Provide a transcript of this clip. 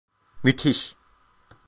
Müthiş.